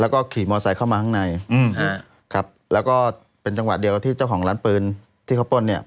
แล้วก็ขี่มอไซค์เข้ามาข้างในอืมฮะครับแล้วก็เป็นจังหวะเดียวกับที่เจ้าของร้านปืนที่เขาป้นเนี่ย